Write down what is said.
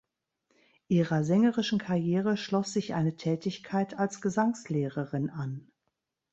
Ihrer sängerischen Karriere schloss sich eine Tätigkeit als Gesangslehrerin an.